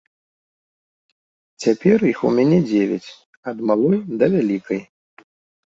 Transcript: Цяпер іх у мяне дзевяць, ад малой да вялікай.